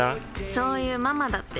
そういうママだって。